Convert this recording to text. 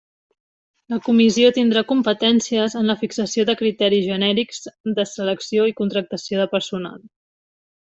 La Comissió tindrà competències en la fixació de criteris genèrics de selecció i contractació de personal.